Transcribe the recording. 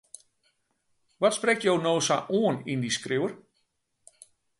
Wat sprekt jo no sa oan yn dy skriuwer?